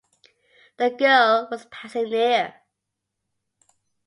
The girl was passing near.